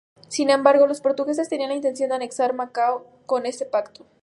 Sin embargo, los portugueses tenían la intención de anexar Macao con este pacto.